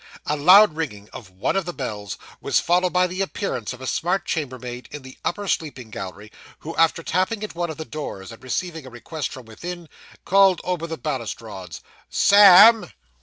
A loud ringing of one of the bells was followed by the appearance of a smart chambermaid in the upper sleeping gallery, who, after tapping at one of the doors, and receiving a request from within, called over the balustrades 'Sam!